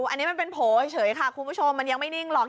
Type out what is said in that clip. อันนี้มันเป็นโผล่เฉยค่ะคุณผู้ชมมันยังไม่นิ่งหรอก